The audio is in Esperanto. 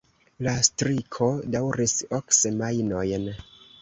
La striko daŭris ok semajnojn.